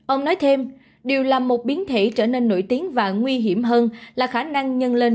ông nói thêm điều là một biến thể trở nên nổi tiếng và nguy hiểm hơn là khả năng nhân lên